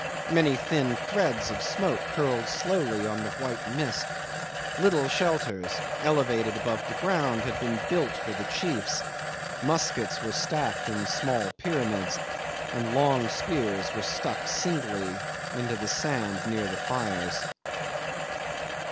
Many thin threads of smoke curled slowly on the white mist. Little shelters, elevated above the ground, had been built for the chiefs. Muskets were stacked in small pyramids, and long spears were stuck singly into the sand near the fires.